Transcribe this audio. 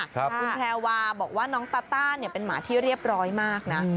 คุณแพรวาบอกว่าน้องตาต้าเป็นหมาที่เรียบร้อยมากนะ